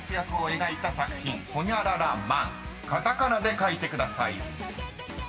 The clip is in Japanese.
［カタカナで書いてください］